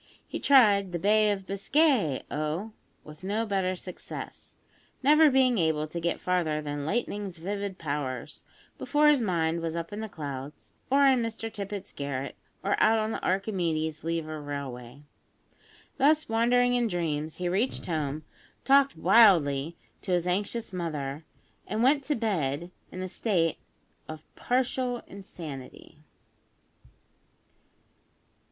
He tried "The Bay of Biscay, O!" with no better success, never being able to get farther than "lightning's vivid powers," before his mind was up in the clouds, or in Mr Tippet's garret, or out on the Archimedes Lever Railway. Thus wandering in dreams he reached home, talked wildly to his anxious mother, and went to bed in a state of partial insanity.